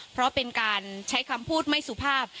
เพราะเป็นการใช้คำพูดไม่สุภาพ